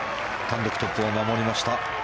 単独トップを守りました。